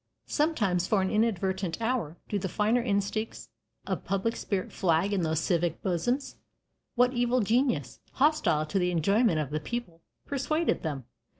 Sometimes, for an inadvertent hour, do the finer instincts of public spirit flag in those civic bosoms? What evil genius, hostile to the enjoyment of the people, persuaded them?